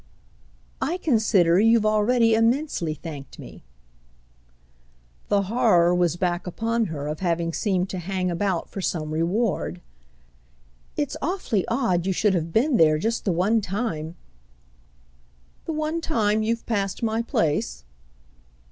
"I consider you've already immensely thanked me." The horror was back upon her of having seemed to hang about for some reward. "It's awfully odd you should have been there just the one time—!" "The one time you've passed my place?"